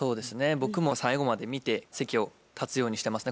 僕も最後まで見て席を立つようにしてますね。